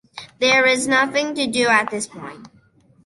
There is nothing to do at this point.